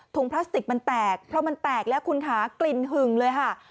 พลาสติกมันแตกเพราะมันแตกแล้วคุณค่ะกลิ่นหึงเลยค่ะ